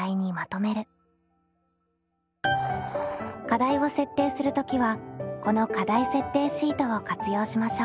課題を設定する時はこの課題設定シートを活用しましょう。